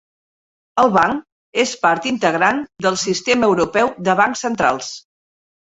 El Banc és part integrant del Sistema Europeu de Bancs Centrals.